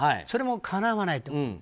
それもかなわないと。